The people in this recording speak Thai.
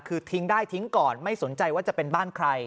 คือทิ้งได้ทิ้งก่อนไม่สนใจว่าจะเป็นบ้านใคร